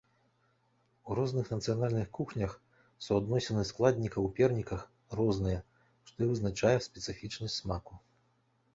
У розных нацыянальных кухнях суадносіны складнікаў у перніках розныя, што і вызначае спецыфічнасць смаку.